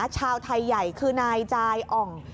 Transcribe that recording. ชาวไทยใหญ่คือนายจายอ่อง